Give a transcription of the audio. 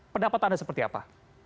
pendapat anda seperti apa